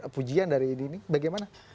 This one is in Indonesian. pujian dari ini bagaimana